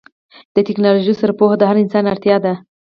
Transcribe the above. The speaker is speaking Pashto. د ټیکنالوژۍ سره پوهه د هر انسان اړتیا ده.